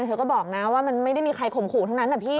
เธอก็บอกนะว่ามันไม่ได้มีใครข่มขู่ทั้งนั้นนะพี่